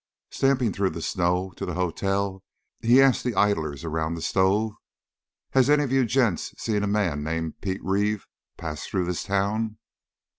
Stamping through the snow to the hotel he asked the idlers around the stove, "Has any of you gents seen a man named Pete Reeve pass through this town?"